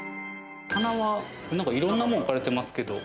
棚はいろんなものを置かれてますけれども。